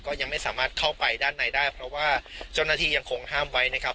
ยังไม่สามารถเข้าไปด้านในได้เพราะว่าเจ้าหน้าที่ยังคงห้ามไว้นะครับ